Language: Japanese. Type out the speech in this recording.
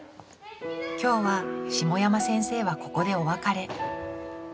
今日は下山先生はここでお別れ。